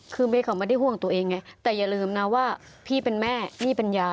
คือเมย์เขาไม่ได้ห่วงตัวเองไงแต่อย่าลืมนะว่าพี่เป็นแม่นี่เป็นยาย